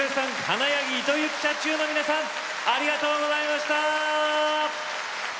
花柳糸之社中の皆さんありがとうございました。